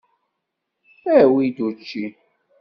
Awi-d učči.